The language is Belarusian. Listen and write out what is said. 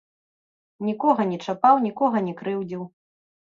Нікога не чапаў, нікога не крыўдзіў.